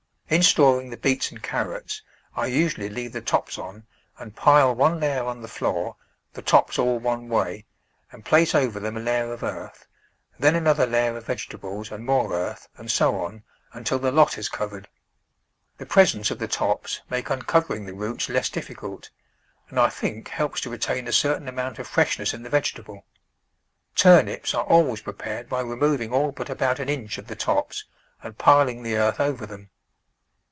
In storing the beets and carrots, I usually leave the tops on and pile one layer on the floor, the tops all one way, and place over them a layer of earth, then another layer of vegetables and more earth, and so on, until the lot is covered. The presence of the tops make un covering the roots less difficult, and I think helps to retain a certain amount of freshness in the vegetable. Turnips are always prepared by remov ing all but about an inch of the tops and piling the earth over them.